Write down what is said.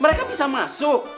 mereka bisa masuk